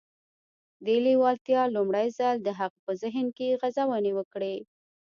دې لېوالتیا لومړی ځل د هغه په ذهن کې غځونې وکړې.